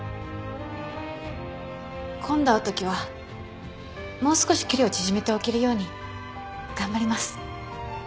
今度会うときはもう少し距離を縮めておけるように頑張ります。